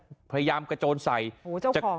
มีภาพจากกล้อมรอบหมาของเพื่อนบ้าน